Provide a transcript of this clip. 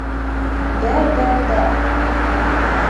— Бә-бә-бә!..